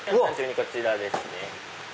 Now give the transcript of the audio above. こちらですね。